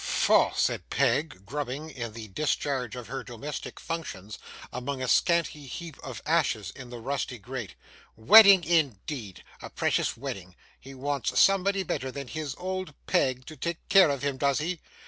'Faugh!' said Peg, grubbing, in the discharge of her domestic functions, among a scanty heap of ashes in the rusty grate. 'Wedding indeed! A precious wedding! He wants somebody better than his old Peg to take care of him, does he?